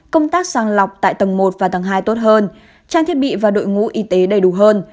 công tác sàng lọc tại tầng một và tầng hai tốt hơn trang thiết bị và đội ngũ y tế đầy đủ hơn